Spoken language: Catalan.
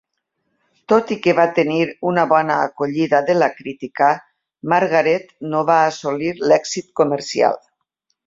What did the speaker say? Tot i que va tenir una bona acollida de la crítica, "Margaret" no va assolir l"èxit comercial.